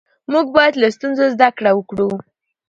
موږ باید له ستونزو زده کړه وکړو